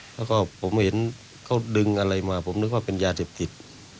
แล้วก็ผมเห็นเขาดึงอะไรมาผมนึกว่าเป็นยาเสพติด